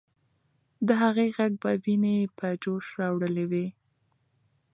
د هغې ږغ به ويني په جوش راوړلې وې.